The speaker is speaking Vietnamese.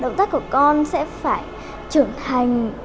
động tác của con sẽ phải trưởng thành